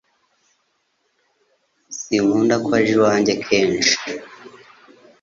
Sinkunda ko aje iwanjye kenshi